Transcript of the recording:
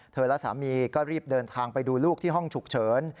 และสามีก็รีบเดินทางไปดูลูกที่ห้องฉุกเฉิน